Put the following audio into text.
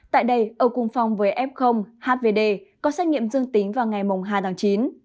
tại đây ở cung phong với f hvd có xét nghiệm dương tính vào ngày mùng hai tháng chín